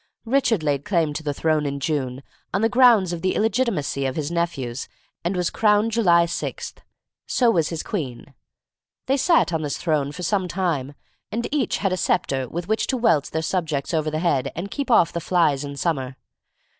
Richard laid claim to the throne in June, on the grounds of the illegitimacy of his nephews, and was crowned July 6. So was his queen. They sat on this throne for some time, and each had a sceptre with which to welt their subjects over the head and keep off the flies in summer.